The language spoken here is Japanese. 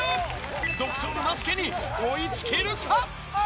独走のバスケに追い付けるか？